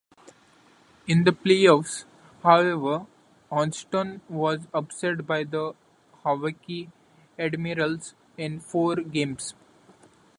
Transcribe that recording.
In the playoffs, however, Houston was upset by the Milwaukee Admirals in four games.